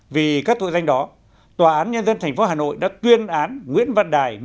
vì các tội danh đó tòa án nhân dân tp hà nội đã tuyên án nguyễn văn đài một mươi năm năm hai nghìn